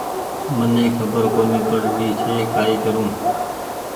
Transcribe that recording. مني کبر ڪونيٚ پڙ ري ڇي ڪآئي ڪرون